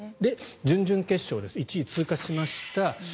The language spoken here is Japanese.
準々決勝です１位通過しました。